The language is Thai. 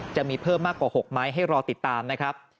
จะมีเพิ่มมากกว่า๖ไหมให้รอติดตามนะครับ